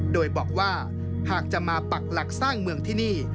โดยบอกว่าหากจะมาปักหลักสร้างเมืองที่นี่